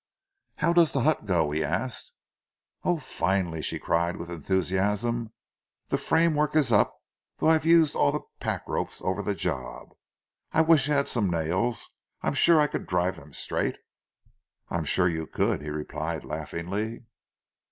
"How does the hut go?" he asked. "Oh, finely!" she cried with enthusiasm. "The framework is up, though I've used all the pack ropes over the job. I wish I had some nails. I'm sure I could drive them straight." "I'm sure you could," he replied laughingly.